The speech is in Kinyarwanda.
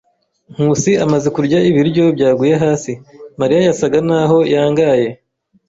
Nkusi amaze kurya ibiryo byaguye hasi, Mariya yasaga naho yangaye.